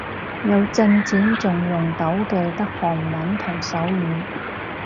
有進展仲用到嘅得韓文同手語